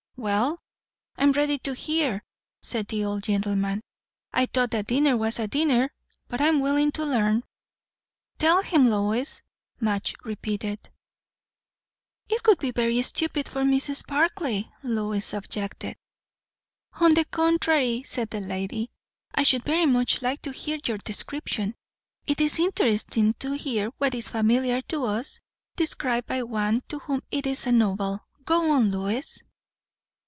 "Well, I'm ready to hear," said the old gentleman. "I thought a dinner was a dinner; but I'm willin' to learn." "Tell him, Lois!" Madge repeated. "It would be very stupid for Mrs. Barclay," Lois objected. "On the contrary!" said that lady. "I should very much like to hear your description. It is interesting to hear what is familiar to us described by one to whom it is novel. Go on, Lois."